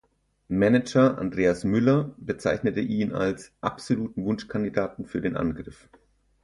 Manager Andreas Müller bezeichnete ihn als „absoluten Wunschkandidaten für den Angriff“.